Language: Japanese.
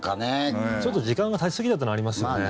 ちょっと時間がたちすぎちゃったのはありますよね。